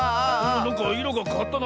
なんかいろがかわったな。